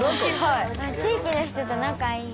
地域の人と仲いい。